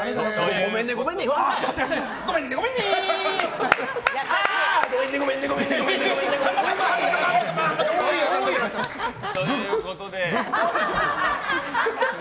ごめんねごめんねごめんね！ということで。